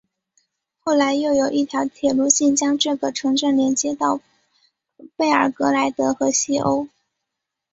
后来又有一条铁路线将这个城镇连接到贝尔格莱德和西欧。